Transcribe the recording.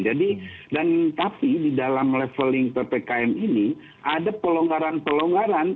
jadi dan tapi di dalam leveling ppkm ini ada pelonggaran pelonggaran